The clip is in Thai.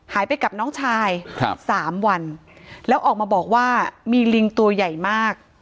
ไปกับน้องชายครับสามวันแล้วออกมาบอกว่ามีลิงตัวใหญ่มาก